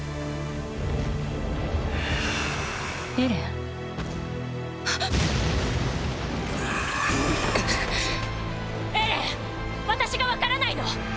エレン私が分からないの⁉